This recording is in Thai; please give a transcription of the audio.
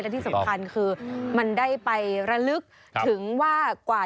และที่สำคัญคือมันได้ไประลึกถึงว่ากว่า